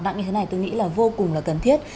nặng như thế này tôi nghĩ là vô cùng là cần thiết